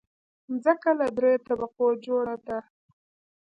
مځکه له دریو طبقو جوړه ده.